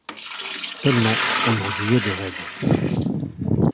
Seulement, on en disait de raides.